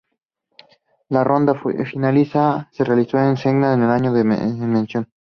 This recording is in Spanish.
La ronda final se realizó en Senegal en el año en mención.